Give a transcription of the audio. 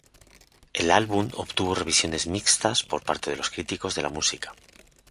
El álbum obtuvo revisiones mixtas por parte de los críticos de la música.